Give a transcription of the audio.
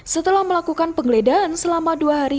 setelah melakukan penggeledahan selama dua hari